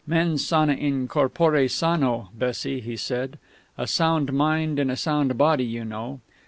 "Mens sana in corpore sano, Bessie," he said; "a sound mind in a sound body, you know.